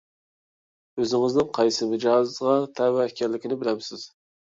ئۆزىڭىزنىڭ قايسى مىزاجغا تەۋە ئىكەنلىكىڭىزنى بىلەمسىز؟